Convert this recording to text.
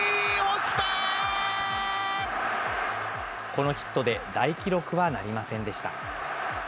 このヒットで大記録はなりませんでした。